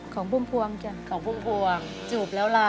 ของพวงจูบแล้วล่ะ